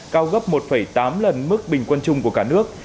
cao gấp một tám lần mức bình quân chung của cả nước